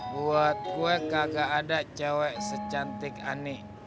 buat gue kagak ada cewek secantik aneh